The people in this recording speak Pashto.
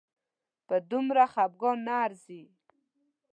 په دومره خپګان نه ارزي